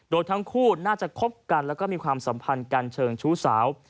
โดยทั้งคู่น่าจะคบกันแล้วก็มีความสัมพันธ์กันเชิงชู้สาว